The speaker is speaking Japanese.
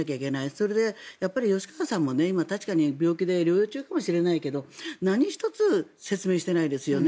それで吉川さんも今確かに病気で療養中かもしれないけど何一つ説明していないですよね。